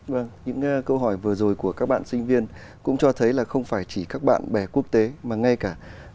vâng những câu hỏi vừa rồi của các bạn sinh viên cũng cho thấy là không phải chỉ các bạn bè quốc tế mà ngay cả